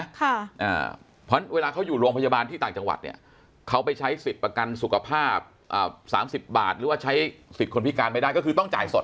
เพราะฉะนั้นเวลาเขาอยู่โรงพยาบาลที่ต่างจังหวัดเนี่ยเขาไปใช้สิทธิ์ประกันสุขภาพ๓๐บาทหรือว่าใช้สิทธิ์คนพิการไม่ได้ก็คือต้องจ่ายสด